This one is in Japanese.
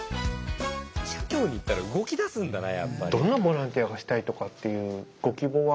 社協に行ったら動きだすんだなやっぱり。